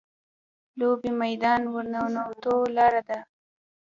لوبې میدان ورننوتو لاره ده.